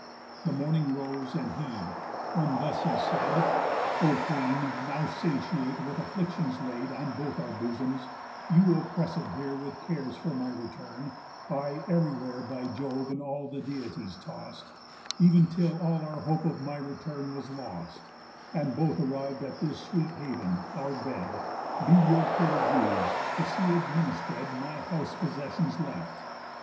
The morning rose and he, when thus he said: "O Queen, now satiate with afflictions laid On both our bosoms,—you oppresséd here With cares for my return, I ev'rywhere By Jove and all the other Deities tost Ev'n till all hope of my return was lost,— And both arriv'd at this sweet haven, our bed, Be your care us'd to see administ'red My house possessions left.